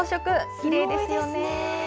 きれいですよね。